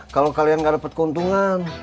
kalo kalian gak dapet keuntungan